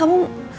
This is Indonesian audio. kita tuh semangat